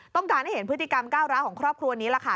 ต้องการให้เห็นพฤติกรรมก้าวร้าวของครอบครัวนี้ล่ะค่ะ